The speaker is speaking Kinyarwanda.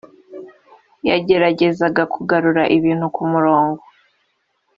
yageragezaga kugarura ibintu ku murongo